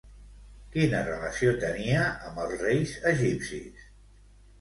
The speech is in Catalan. Quina relació tenia amb els reis egipcis?